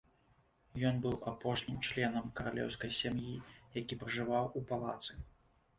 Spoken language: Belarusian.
Ён быў апошнім членам каралеўскай сям'і, які пражываў у палацы.